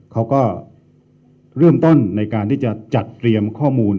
เขาก็เริ่มต้นในการที่จะจัดเตรียมข้อมูล